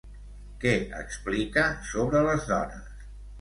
Què explica sobre les dones?